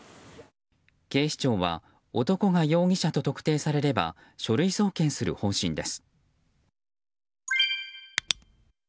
警視庁は男が容疑者と特定されれば書類送検する方針です。